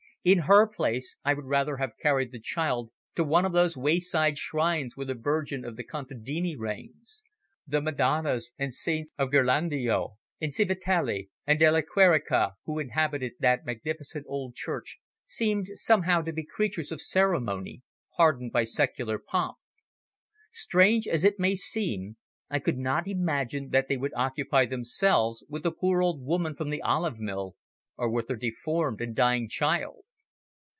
In her place I would rather have carried the child to one of those wayside shrines where the Virgin of the contadini reigns. The Madonnas and Saints of Ghirlandajo and Civitali and Della Querica who inhabited that magnificent old church seemed somehow to be creatures of ceremony, hardened by secular pomp. Strange as it may seem, I could not imagine that they would occupy themselves with a poor old woman from the olive mill or with her deformed and dying child.